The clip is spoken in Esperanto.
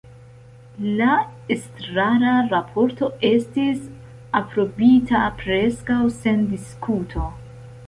La estrara raporto estis aprobita preskaŭ sen diskuto.